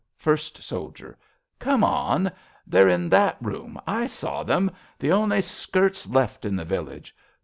..." First Soldier. Come on ! They're in that room. I saw them ! The only skirts Left in the village.